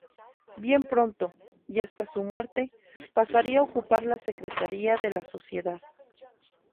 Bien pronto, y hasta su muerte, pasaría a ocupar la secretaría de la Sociedad.